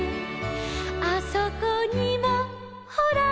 「あそこにもほら」